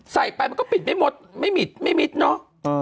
ใส่ไปมันก็ปิดไม่หมดไม่มิดไม่มิดเนอะ